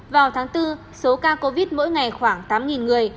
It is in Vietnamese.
vào tháng bốn số ca covid mỗi ngày khoảng tám người